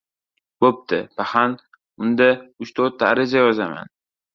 — Bo‘pti, paxan, unda, uchta-to‘rtta ariza yozaman.